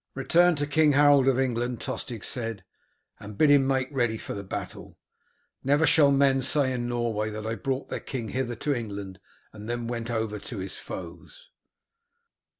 "Return to King Harold of England," Tostig said, "and bid him make ready for the battle. Never shall men say in Norway that I brought their king hither to England and then went over to his foes."